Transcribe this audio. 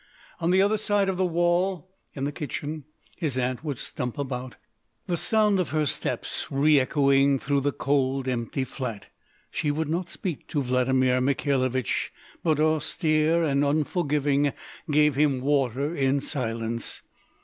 On the other side of the wall, in the kitchen, his Aunt would stump about, the sound of her steps re echoing through the cold, empty flat. She would not speak to Vladimir Mikhailovich, but austere and unforgiving, gave him water in silence.